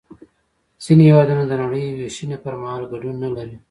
ځینې هېوادونه د نړۍ وېشنې پر مهال ګډون نلري